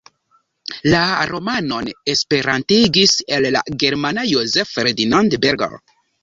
La romanon esperantigis el la germana Joseph Ferdinand Berger.